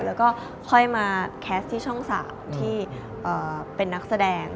แล้วก็ค่อยมาแคสต์ที่ช่อง๓ที่เป็นนักแสดง